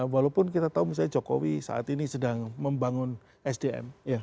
walaupun kita tahu misalnya jokowi saat ini sedang membangun sdm